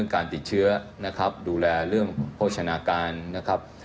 การติดเชื้อนะครับดูแลเรื่องโภชนาการนะครับ